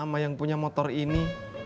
sama yang punya motor ini